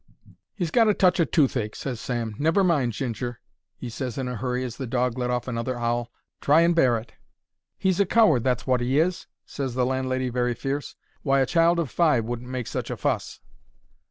"He's got a touch o' toothache," ses Sam. "Never mind, Ginger," 'e ses in a hurry, as the dog let off another 'owl; "try and bear it." "He's a coward, that's wot 'e is," ses the landlady, very fierce. "Why, a child o' five wouldn't make such a fuss."